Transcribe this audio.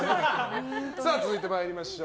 続いていきましょう。